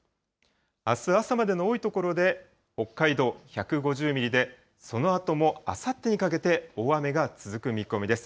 あす朝までの多い所で北海道１５０ミリで、そのあともあさってにかけて、大雨が続く見込みです。